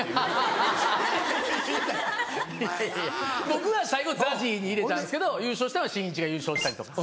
僕は最後ＺＡＺＹに入れたんですけど優勝したのはしんいちが優勝したりとか。